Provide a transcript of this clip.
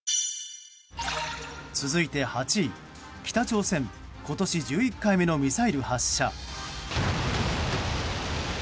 続いて８位、北朝鮮今年１１回目のミサイル発射。